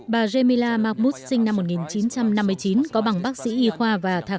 bà jemila mahmud sinh năm một nghìn chín trăm năm mươi chín có bằng bác sĩ y khoa và tuyên truyền